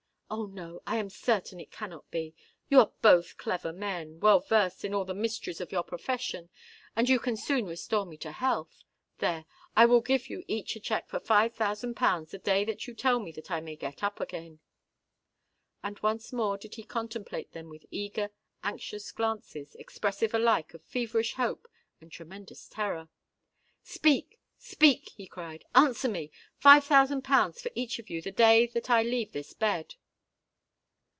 Oh! no—I am certain it cannot be! You are both clever men—well versed in all the mysteries of your profession—and you can soon restore me to health. There! I will give you each a cheque for five thousand pounds the day that you tell me that I may get up again!" And once more did he contemplate them with eager—anxious glances, expressive alike of feverish hope and tremendous terror. "Speak—speak!" he cried: "answer me! Five thousand pounds for each of you, the day that I leave this bed!"